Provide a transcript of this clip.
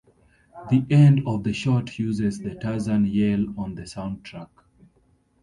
The end of the short uses the Tarzan yell on the soundtrack.